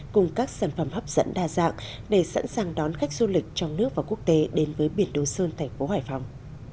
cùng các sản phẩm hấp dẫn đa dạng để sẵn sàng đón khách du lịch trong nước và quốc tế đến với biển đồ sơn thành phố hải phòng